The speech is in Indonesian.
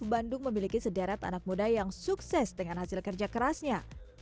bandung memiliki sederet anak muda yang sukses dengan hasil kerja kerasnya